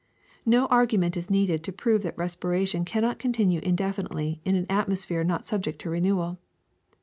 No argument is needed to prove that respiration cannot continue indefinitely in an atmos phere not subject to renewal.